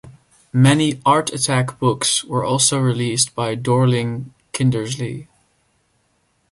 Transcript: Many "Art Attack" books were also released by Dorling Kindersley.